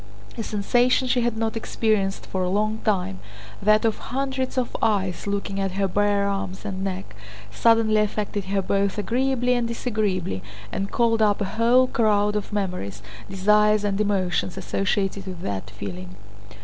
A sensation she had not experienced for a long time—that of hundreds of eyes looking at her bare arms and neck—suddenly affected her both agreeably and disagreeably and called up a whole crowd of memories, desires and emotions associated with that feeling.